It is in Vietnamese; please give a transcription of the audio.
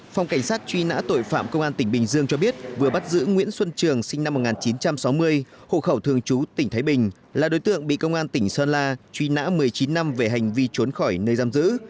phòng cảnh sát truy nã tội phạm công an tỉnh bình dương cho biết vừa bắt giữ nguyễn xuân trường sinh năm một nghìn chín trăm sáu mươi hộ khẩu thường chú tỉnh thái bình là đối tượng bị công an tỉnh sơn la truy nã một mươi chín năm về hành vi trốn khỏi nơi giam giữ